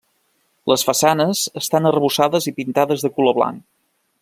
Les façanes estan arrebossades i pintades de color blanc.